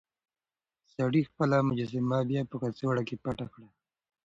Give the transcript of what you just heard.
سړي خپله مجسمه بيا په کڅوړه کې پټه کړه.